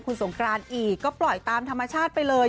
คุณสงกรานอีกก็ปล่อยตามธรรมชาติไปเลย